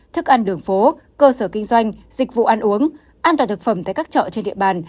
thức ăn đường phố cơ sở kinh doanh dịch vụ ăn uống an toàn thực phẩm tại các chợ trên địa bàn